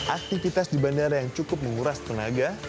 aktivitas di bandara yang cukup menguras tenaga